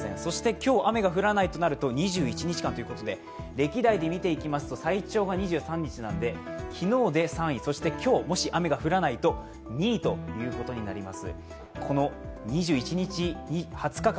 今日雨が降らないとなると２１日間ということで歴代で見ていきますと最長が２３日、今日雨が降らないと２位ということになります。